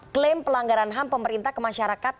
klaim pelanggaran ham pemerintah kemasyarakat